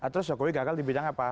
terus jokowi gagal di bidang apa